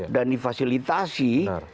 dan di fasilitasi